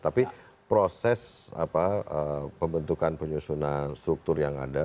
tapi proses pembentukan penyusunan struktur yang ada